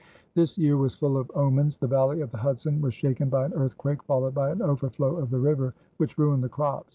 This year was full of omens. The valley of the Hudson was shaken by an earthquake followed by an overflow of the river, which ruined the crops.